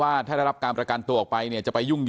เพราะไม่เคยถามลูกสาวนะว่าไปทำธุรกิจแบบไหนอะไรยังไง